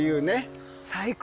最高。